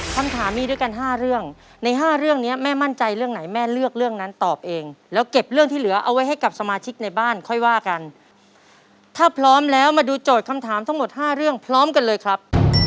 คำถามมีด้วยกัน๕เรื่องใน๕เรื่องนี้แม่มั่นใจเรื่องไหนแม่เลือกเรื่องนั้นตอบเองแล้วเก็บเรื่องที่เหลือเอาไว้ให้กับสมาชิกในบ้านค่อยว่ากันถ้าพร้อมแล้วมาดูโจทย์คำถามทั้งหมด๕เรื่องพร้อมกันเลยครับ